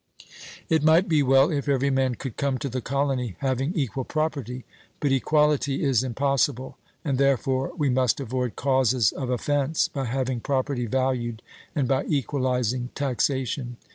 It might be well if every man could come to the colony having equal property; but equality is impossible, and therefore we must avoid causes of offence by having property valued and by equalizing taxation.